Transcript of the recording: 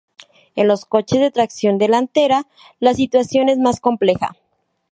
En los coches de tracción delantera, la situación es más compleja.